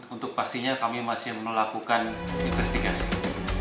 untuk pastinya kami masih melakukan investigasi